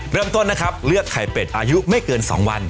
เริ่มต้นนะครับเลือกไข่เป็ดอายุไม่เกิน๒วัน